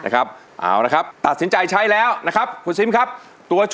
กรมหน้า